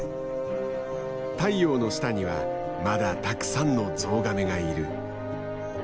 太陽の下にはまだたくさんのゾウガメがいる。